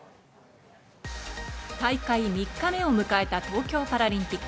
大会３日目を迎えた東京パラリンピック。